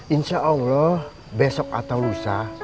insya allah besok atau lusa